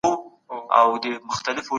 پخپله خپل ځان وپیژنئ.